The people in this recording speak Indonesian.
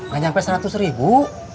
gak nyampe seratus ribu